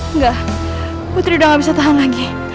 enggak putri udah gak bisa tahan lagi